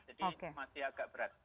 jadi masih agak berat